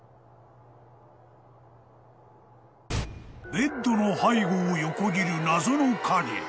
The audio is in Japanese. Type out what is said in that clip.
［ベッドの背後を横切る謎の影］